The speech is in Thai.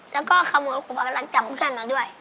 แล้วก็ขโมยครูพักรักจำเพื่อนมาด้วย